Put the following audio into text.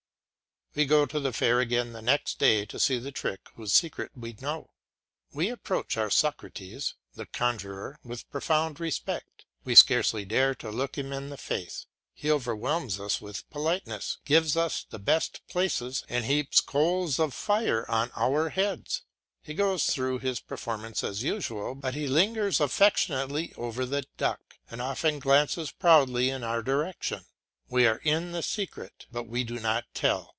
We go to the fair again the next day to see the trick whose secret we know. We approach our Socrates, the conjuror, with profound respect, we scarcely dare to look him in the face. He overwhelms us with politeness, gives us the best places, and heaps coals of fire on our heads. He goes through his performance as usual, but he lingers affectionately over the duck, and often glances proudly in our direction. We are in the secret, but we do not tell.